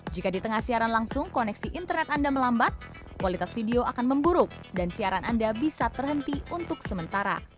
jika di tengah siaran langsung koneksi internet anda melambat kualitas video akan memburuk dan siaran anda bisa terhenti untuk sementara